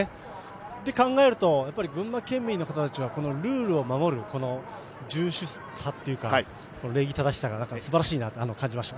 そう考えると、群馬県民の方たちはルールを守る順守さというか、礼儀正しさがすばらしいなと感じました。